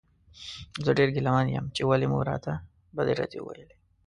زه ډېر ګیله من یم چې ولې مو راته بدې ردې وویلې.